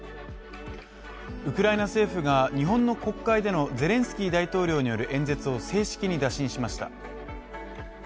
ウクライナ政府が日本の国会でのゼレンスキー大統領による演説を正式に打診しました。